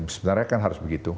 sebenarnya kan harus begitu